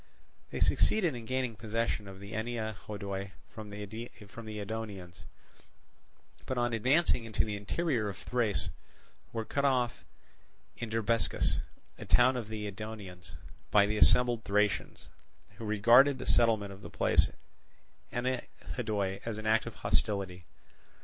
They succeeded in gaining possession of Ennea Hodoi from the Edonians, but on advancing into the interior of Thrace were cut off in Drabescus, a town of the Edonians, by the assembled Thracians, who regarded the settlement of the place Ennea Hodoi as an act of hostility.